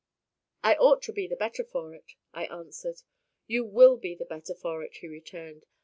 "I ought to be the better for it," I answered. "You WILL be the better for it," he returned.